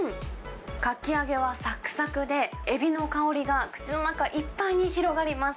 かき揚げはさくさくで、エビの香りが口の中いっぱいに広がります。